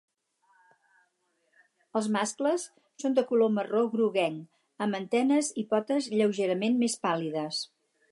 Els mascles són de color marró groguenc, amb antenes i potes lleugerament més pàl·lides.